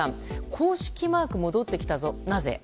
公式マーク戻ってきたぞ、なぜ？